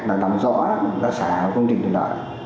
là làm rõ là sát thải vào công trình thủy lợi